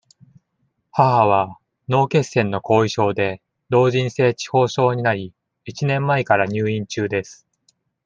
母は、脳血栓の後遺症で、老人性痴呆症になり、一年前から入院中です。